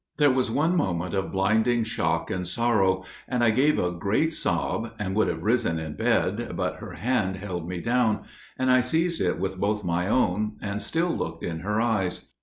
"There was one moment of blinding shock and sorrow, and I gave a great sob, and would have risen in bed, but her hand held me down, and I seized it with both my own, and still looked in her eyes.